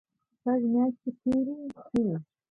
شپږ میاشتې تېرې شوې.